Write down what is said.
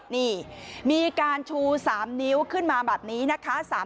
นี่มีการชู๓นิ้วขึ้นมาแบบนี้นะคะ